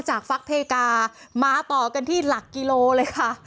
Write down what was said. ฟักเพกามาต่อกันที่หลักกิโลเลยค่ะ